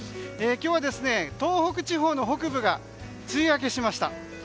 今日は東北地方の北部が梅雨明けしました。